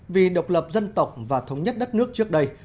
vì độc lập dân tộc và thống nhất đất nước trước đây